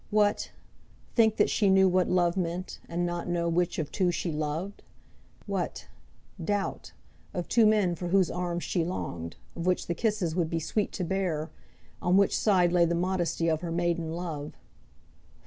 What; think that she knew what love meant, and not know which of two she loved! What; doubt, of two men for whose arms she longed, of which the kisses would be sweet to bear; on which side lay the modesty of her maiden love!